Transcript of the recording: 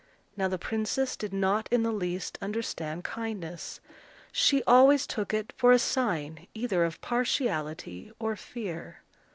Now the princess did not in the least understand kindness. She always took it for a sign either of partiality or fear.